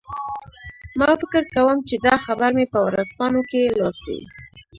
ما فکر کوم چې دا خبر مې په ورځپاڼو کې لوستی و